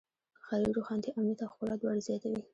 ښاري روښانتیا امنیت او ښکلا دواړه زیاتوي.